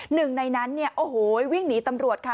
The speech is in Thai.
หนึ่งในนั้นเนี่ยโอ้โหวิ่งหนีตำรวจค่ะ